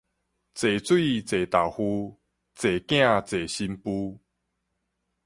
濟水濟豆腐，濟囝濟新婦